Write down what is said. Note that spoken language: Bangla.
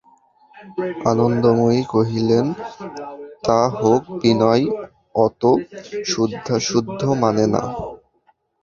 আনন্দময়ী কহিলেন, তা হোক, বিনয় অত শুদ্ধাশুদ্ধ মানে না।